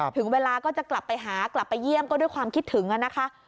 ถึงเวลาก็จะกลับไปหากลับไปเยี่ยมก็ด้วยความคิดถึงนะคะ